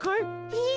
えっ？